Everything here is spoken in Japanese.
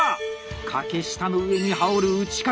掛下の上に羽織る打掛。